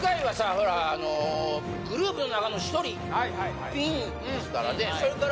ほらあのグループの中の一人ピンですからね